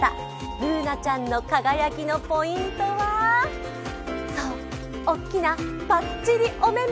Ｂｏｏｎａちゃんの輝きのポイントはそう、大きなぱっちりお目め。